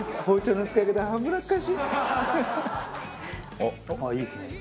ああいいですね。